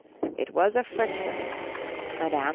It was a Frenchwoman Mme.